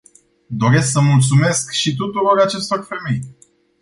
Doresc să mulțumesc și tuturor acestor femei.